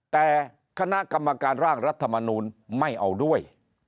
แต่คณะกรรมการร่างรัฐมนูลไม่เอาด้วย